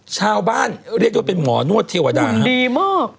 ชาวบ้านเรียกได้ว่าเป็นหมอนวดเทวดาดีมาก